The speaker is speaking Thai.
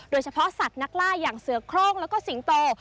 สัตว์นักล่าอย่างเสือโครงแล้วก็สิงโต